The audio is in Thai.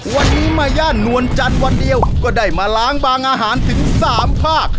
วันนี้มาย่านนวลจันทร์วันเดียวก็ได้มาล้างบางอาหารถึง๓ภาค